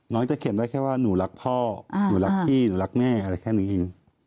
จะเขียนได้แค่ว่าหนูรักพ่อหนูรักพี่หนูรักแม่อะไรแค่นี้เอง